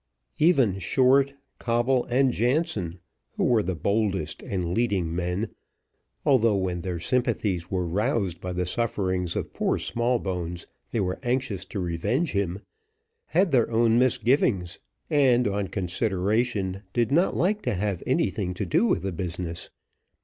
Even Short, Coble, and Jansen, who were the boldest and leading men, although when their sympathies were roused by the sufferings of poor Smallbones they were anxious to revenge him, had their own misgivings, and, on consideration, did not like to have anything to do with the business.